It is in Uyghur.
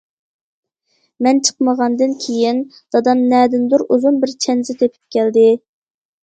مەن چىقمىغاندىن كېيىن، دادام نەدىندۇر ئۇزۇن بىر چەنزە تېپىپ كەلدى.